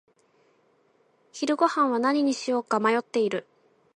昼ごはんは何にしようか迷っている。